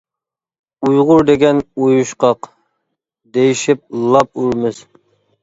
«ئۇيغۇر دېگەن ئۇيۇشقاق» دېيىشىپ لاپ ئۇرىمىز.